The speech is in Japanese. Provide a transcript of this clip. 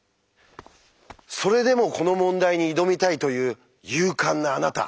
それでもこの問題に挑みたいという勇敢なあなた。